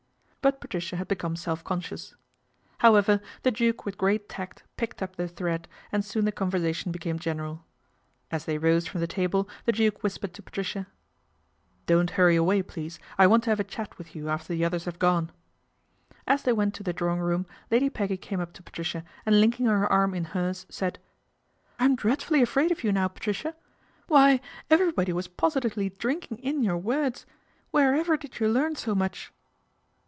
But Patricia had become self conscious. How </er, the Duke with great tact picked up the nread, and soon the conversation became general. As they rose from the table the Duke whispered i) Patricia, " Don't hurry away, please, I want i) have a chat with you after the others have pne." As they went to the drawing room, Lady Peggy <ime up to Patricia and Linking her arm in hers, aid : 'I'm dreadfully afraid of you now, Patricia. 'Why everybody was positively drinking in pur words. Wherever did you learn so much